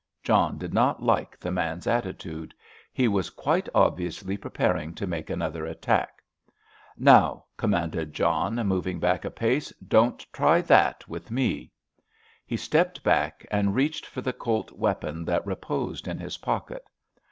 John did not like the man's attitude. He was quite obviously preparing to make another attack. "Now," commanded John, moving back a pace, "don't try that with me!" He stepped back and reached for the Colt weapon that reposed in his pocket.